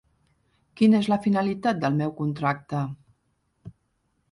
Quina és la finalitat del meu contracte?